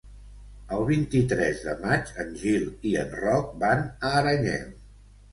El vint-i-tres de maig en Gil i en Roc van a Aranyel.